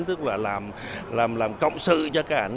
tức là làm công sự cho anh